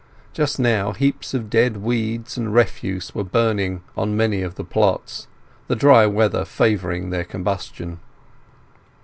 Just now heaps of dead weeds and refuse were burning on many of the plots, the dry weather favouring their combustion.